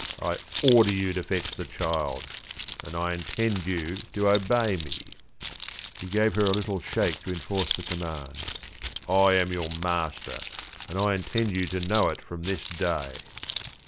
I order you to fetch the child, and I intend you to obey me," he gave her a little shake to enforce the command. "I am your master, and I intend you to know it from this day."